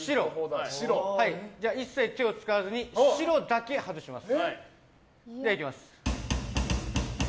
一切、手を使わずに白だけ外します。